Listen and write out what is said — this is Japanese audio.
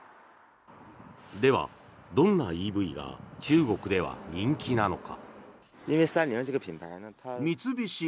ではどんなＥＶが中国では人気なのか。